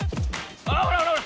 あほらほらほら。